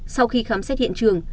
sau khi khám xét hiện trường